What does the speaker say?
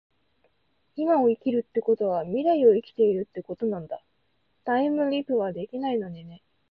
今を生きるってことは未来を生きているってことなんだ。タァイムリィプはできないのにね